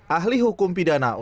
ahli hukum pidana